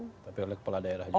tapi oleh kepala daerah juga